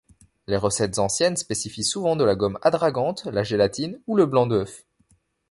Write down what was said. Les recettes anciennes spécifient souvent la gomme adragante, la gélatine, ou le blanc d'œuf.